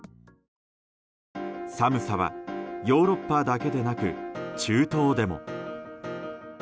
寒さは、ヨーロッパだけでなく中東でも。